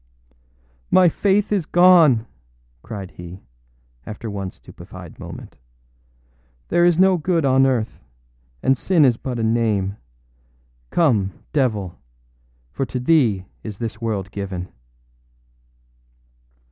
âMy Faith is gone!â cried he, after one stupefied moment. âThere is no good on earth; and sin is but a name. Come, devil; for to thee is this world given.